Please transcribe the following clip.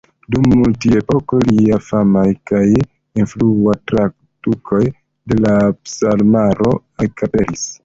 Dum tiu epoko lia famaj kaj influaj tradukoj de la Psalmaro ekaperis.